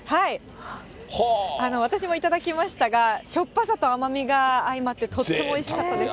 私も頂きましたが、しょっぱさと甘みが相まって、とってもおいしかったです。